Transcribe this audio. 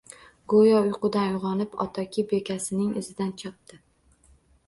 Go`yo uyqudan uyg`onib Otoki bekasining izidan chopdi